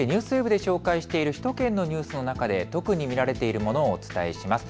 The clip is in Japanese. ＮＨＫＮＥＷＳＷＥＢで紹介している首都圏のニュースの中で特に見られているものをお伝えします。